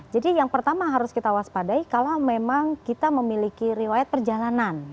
jadi yang pertama harus kita waspadai kalau memang kita memiliki riwayat perjalanan